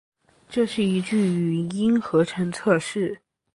这是一句语音合成测试